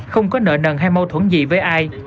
không có nợ nần hay mâu thuẫn gì với ai